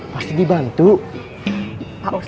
pasti dia akan berbicara sama pak kades